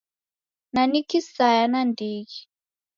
Na ni kisaya nandighi.